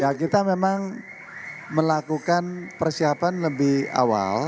ya kita memang melakukan persiapan lebih awal